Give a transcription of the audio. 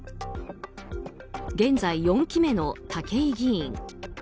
現在、４期目の武井議員。